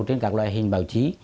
trên các loại hình báo chí